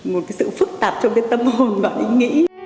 một cái sự phức tạp trong cái tâm hồn và ý nghĩ